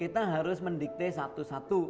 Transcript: kita harus mendikte satu satu